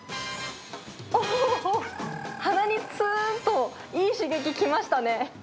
おー、鼻につーんと、いい刺激きましたね。